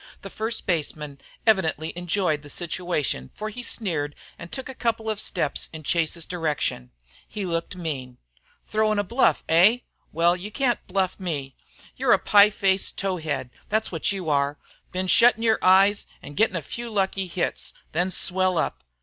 The first baseman evidently enjoyed the situation for he sneered and took a couple of steps in Chase's direction. He looked mean. "Throwin' a bluff, eh? Well, you can't bluff me. You 're a pie faced tow head, that's what you are. Been shuttin' your eyes an' gettin' a few lucky hits then swell up.